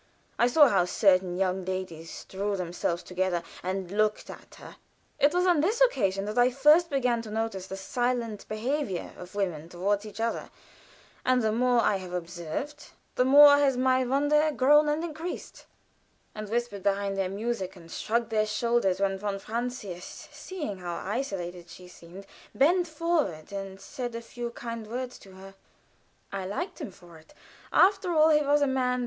I saw how certain young ladies drew themselves together, and looked at her (it was on this occasion that I first began to notice the silent behavior of women toward each other, and the more I have observed, the more has my wonder grown and increased), and whispered behind their music, and shrugged their shoulders when von Francius, seeing how isolated she seemed, bent forward and said a few kind words to her. I liked him for it. After all, he was a man.